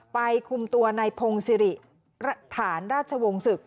ไปคุมตัวในพงศิริภาคฐานราชวงศ์ศึกษ์